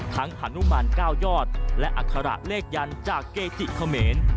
ฮานุมาน๙ยอดและอัคระเลขยันต์จากเกจิเขมร